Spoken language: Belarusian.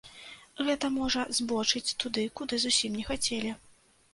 Гэта можа збочыць туды, куды зусім не хацелі.